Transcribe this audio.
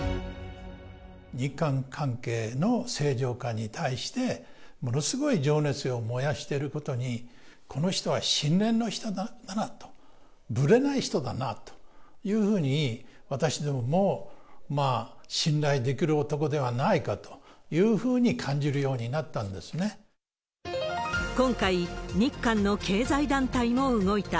日韓関係の正常化に対して、ものすごい情熱を燃やしてることに、この人は信念の人だなと、ぶれない人だなというふうに、私どもも信頼できる男ではないかというふうに感じるようになった今回、日韓の経済団体も動いた。